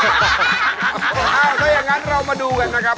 ถ้าอย่างนั้นเรามาดูกันนะครับ